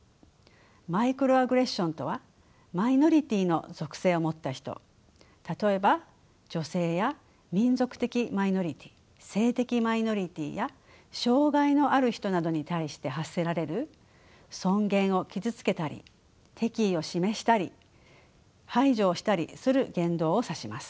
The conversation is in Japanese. マイクロアグレッションとはマイノリティーの属性を持った人例えば女性や民族的マイノリティー性的マイノリティーや障害のある人などに対して発せられる尊厳を傷つけたり敵意を示したり排除をしたりする言動を指します。